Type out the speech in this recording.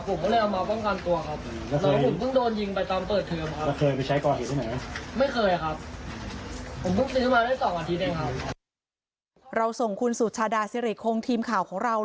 ผมก็เลยเอามาป้องกันตัวครับ